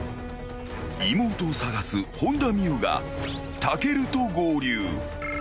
［妹を捜す本田望結が武尊と合流］